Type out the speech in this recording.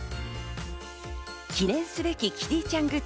記念すべきキティちゃんグッズ